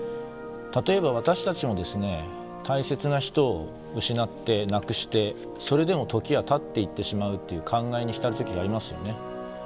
例えば私たちも大切な人を失って、亡くしてそれでも時が経っていってしまうという感慨に浸る時がありますよね。